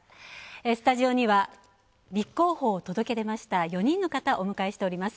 スタジオには立候補を届け出ました４人の方、お迎えしております。